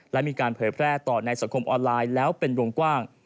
และมีการเผยแพร่ต่อในสังคมออนไลน์แล้วเป็นวงกว้าง